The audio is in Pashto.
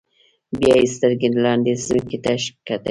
بیا یې سترګې لاندې ځمکې ته ښکته کړې.